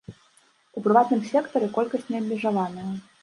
У прыватным сектары колькасць не абмежаваная.